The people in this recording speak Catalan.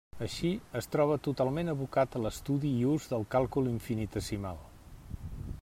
Així, es troba totalment abocat a l'estudi i ús del càlcul infinitesimal.